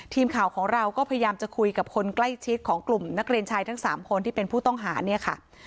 ทีมข่าวของเราก็พยายามจะคุยกับคนใกล้ชิดของกลุ่มนักเรียนชายทั้ง๓คนที่เป็นผู้ต้องหาเนี่ยค่ะ